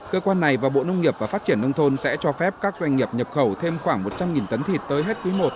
cơ quan này và bộ nông nghiệp và phát triển nông thôn sẽ cho phép các doanh nghiệp nhập khẩu thêm khoảng một trăm linh tấn thịt tới hết quý i